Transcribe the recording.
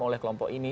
oleh kelompok ini